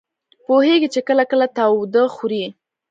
پوهېږي چې کله کله تاوده خوري.